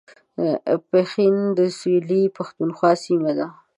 پښین د سویلي پښتونخوا سیمه ده